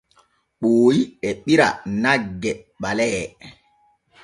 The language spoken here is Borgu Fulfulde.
Ɓooyi e ɓira nagge ɓalee.